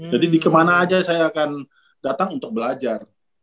jadi di kemana aja saya akan datang untuk belajar